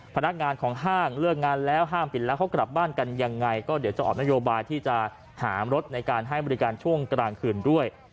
พนักงานของห้างเลิกงานแล้วห้ามปิดแล้วเขากลับบ้านกันยังไงก็เดี๋ยวจะออกนโยบายที่จะหารถในการให้บริการช่วงกลางคืนด้วย